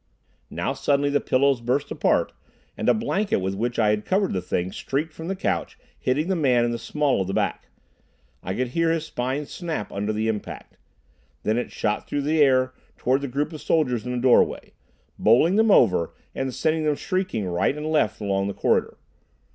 Now suddenly the pillows burst apart, and a blanket with which I had covered the thing streaked from the couch, hitting the man in the small of the back. I could hear his spine snap under the impact. Then it shot through the air toward the group of soldiers in the doorway, bowling them over and sending them shrieking right and left along the corridor.